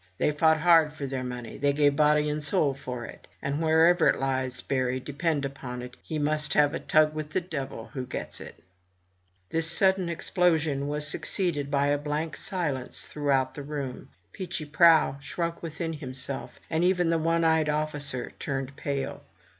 They fought hard for their money; they gave body and soul for it; and wherever it lies buried, depend upon it, he must have a tug with the devil who gets it!" This sudden explosion was succeeded by a blank silence throughout the room. Peechy Prauw shrunk within himself, and even the one eyed officer turned pale.